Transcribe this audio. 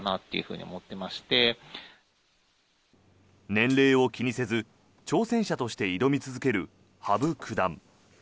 年齢を気にせず挑戦者として挑み続ける羽生九段。